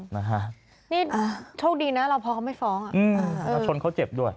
นี่โชคดีนะรบภอเขาไม่ฟ้องอ่ะ